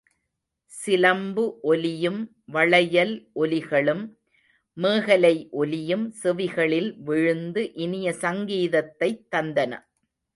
சிலம்பு ஒலியும், வளையல் ஒலிகளும், மேகலை ஒலியும் செவிகளில் விழுந்து இனிய சங்கீதத்தைத் தந்தன.